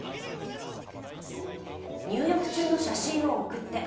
入浴中の写真を送って。